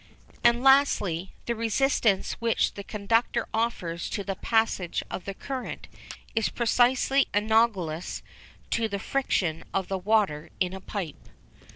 And lastly, the resistance which the conductor offers to the passage of the current is precisely analagous to the friction of the water in a pipe.